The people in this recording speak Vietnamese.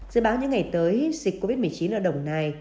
dự báo những ngày tới dịch covid một mươi chín ở đồng nai